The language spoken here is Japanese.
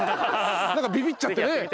なんかビビっちゃってね。